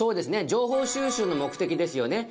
情報収集の目的ですよね。